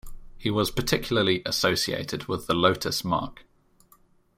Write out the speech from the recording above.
He was particularly associated with the Lotus marque.